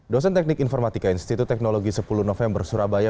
dosen teknik informatika institut teknologi sepuluh november surabaya